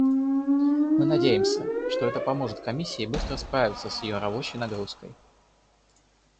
Мы надеемся, что это поможет Комиссии быстро справиться с ее рабочей нагрузкой.